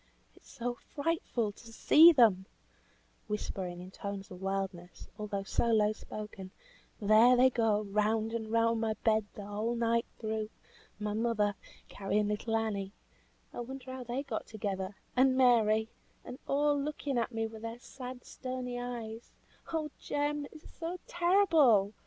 "It is so frightful to see them," whispering in tones of wildness, although so low spoken. "There they go round and round my bed the whole night through. My mother, carrying little Annie (I wonder how they got together) and Mary and all looking at me with their sad, stony eyes; oh Jem! it is so terrible!